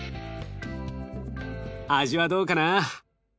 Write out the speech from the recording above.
味はどうかな？